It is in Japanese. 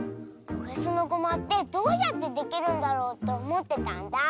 おへそのごまってどうやってできるんだろうっておもってたんだ。